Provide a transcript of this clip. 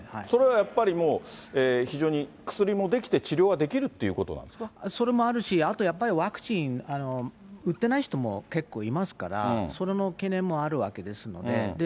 それはやっぱりもう非常に薬も出来て、それもあるし、あとやっぱりワクチン打ってない人も結構いますから、それの懸念もあるわけですので。